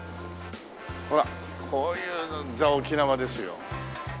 ほらこういうザ・沖縄ですよ。